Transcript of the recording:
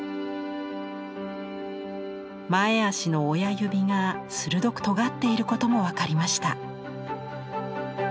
前足の親指が鋭くとがっていることも分かりました。